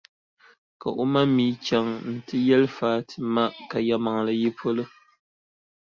Ka o ma mi chaŋ nti yɛli Fati ma ka yɛlimaŋli yi polo.